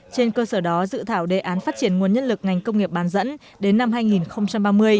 trên cơ sở đó dự thảo đề án phát triển nguồn nhân lực ngành công nghiệp bán dẫn đến năm hai nghìn ba mươi